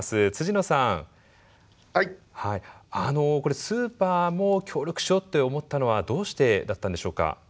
野さこれスーパーも協力しようって思ったのはどうしてだったんでしょうか？